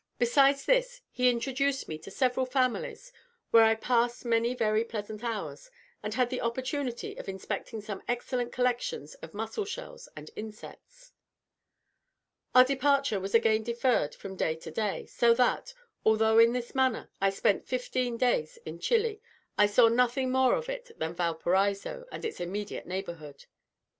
Besides this, he introduced me to several families, where I passed many very pleasant hours, and had the opportunity of inspecting some excellent collections of mussel shells and insects. Our departure was again deferred from day to day; so that, although, in this manner, I spent fifteen days in Chili, I saw nothing more of it than Valparaiso and its immediate neighbourhood.